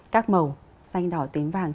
các màu xanh đỏ tím vàng